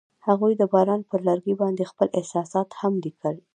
هغوی د باران پر لرګي باندې خپل احساسات هم لیکل.